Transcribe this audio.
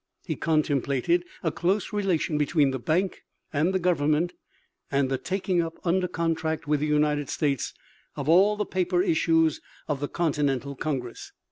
He contemplated a close relation between the bank and the government, and the taking up, under contract with the United States, of all the paper issues of the Continental Congress.